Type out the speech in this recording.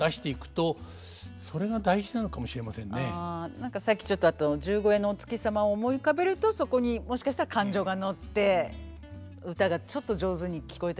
何かさっきちょっとあと十五夜のお月様を思い浮かべるとそこにもしかしたら感情が乗って唄がちょっと上手に聞こえたりするのかもしれないですね。